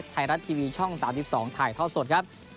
ไทยรัฐทีวีช่อง๓๒ถ่ายท่อสดครับ